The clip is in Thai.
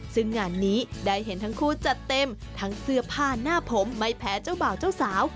ซึ่งงานนี้ได้เห็นทั้งคู่จัดเต็มทั้งเสื้อผ้าหน้าผมไม่แพ้เจ้าบ่าวเจ้าสาว